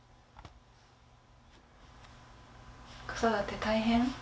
子育て大変？